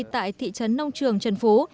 tại thị trấn nông trường trần phú